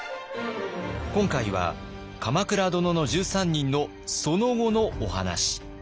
今回は「鎌倉殿の１３人」のその後のお話。